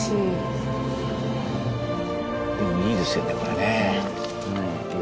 いいですよねこれね。